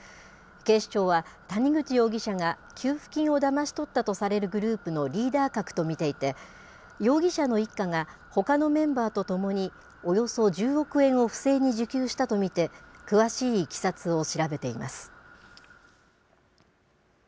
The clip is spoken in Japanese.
警視庁は、谷口容疑者が給付金をだまし取ったとされるグループのリーダー格と見ていて、容疑者の一家がほかのメンバーと共に、およそ１０億円を不正に受給したと見て、詳しいいきさつを調べています。